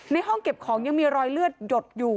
ห้องเก็บของยังมีรอยเลือดหยดอยู่